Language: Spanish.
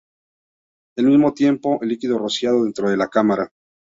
El mismo tiempo, el líquido rociado dentro de la cámara.